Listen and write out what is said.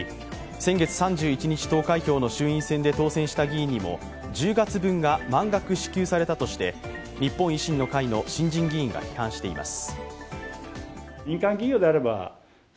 先月３１日投開票の衆院選で当選した議員にも１０月分が満額支給されたとして日本維新の会の新人議員が批判しています。